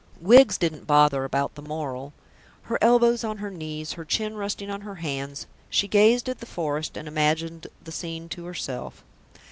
Wiggs didn't bother about the moral. Her elbows on her knees, her chin resting on her hands, she gazed at the forest and imagined the scene to herself.